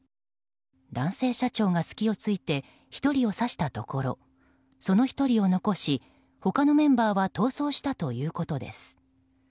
男性社長が隙を突いて１人を刺したところその１人を残し、他のメンバーは逃走したということです。